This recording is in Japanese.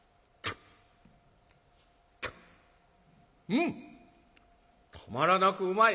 「うん。たまらなくうまい」。